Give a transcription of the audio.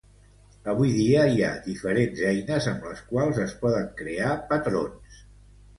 Avui dia hi ha diferents eines amb les quals es poden crear patrons.